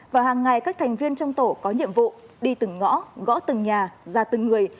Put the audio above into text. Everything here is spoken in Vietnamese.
và hàng ngày các thành viên trong tổ có nhiệm vụ đi từng ngõ gõ từng nhà ra từng người